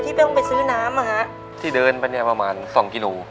ในแคมเปญพิเศษเกมต่อชีวิตโรงเรียนของหนู